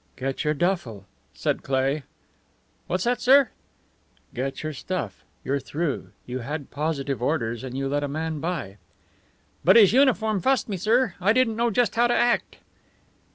"Get your duffle," said Cleigh. "What's that, sir?" "Get your stuff. You're through. You had positive orders, and you let a man by." "But his uniform fussed me, sir. I didn't know just how to act."